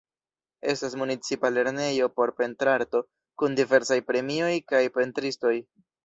Estas Municipa Lernejo por Pentrarto, kun diversaj premioj kaj pentristoj.